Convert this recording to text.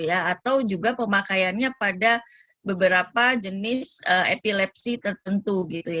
atau juga pemakaiannya pada beberapa jenis epilepsi tertentu